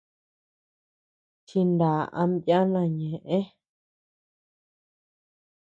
Chiná ama yana ñeʼë.